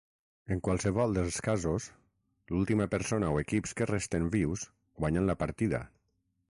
En qualsevol dels casos, l'última persona o equips que resten vius guanyen la partida.